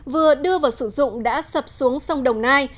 vừa đưa vào sử dụng đã sập xuống sông đồng nai